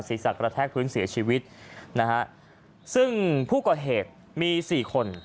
ศีรษะกระแทกพื้นเสียชีวิตนะฮะซึ่งผู้ก่อเหตุมีสี่คน